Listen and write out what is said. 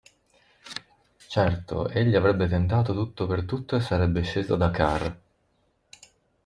Certo, egli avrebbe tentato tutto per tutto e sarebbe sceso a Dakar.